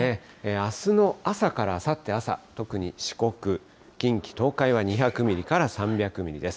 あすの朝からあさって朝、特に四国、近畿、東海は２００ミリから３００ミリです。